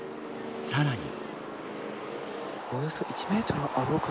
さらに。